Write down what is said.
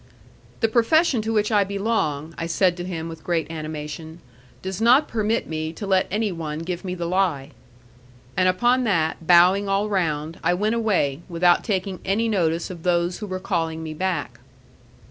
"The profession to which I belong," I said to him with great animation, "does not permit me to let anyone give me the lie." And upon that, bowing all round, I went away, without taking any notice of those who were calling me back.